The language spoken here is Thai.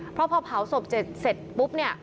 เพราะพอเผาศพเสร็จปุ๊บ